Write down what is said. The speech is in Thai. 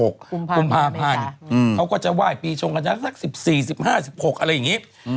เค้าก็จะว่ายปีชงกันนะซัก๑๔๑๖อะไรอย่างงี้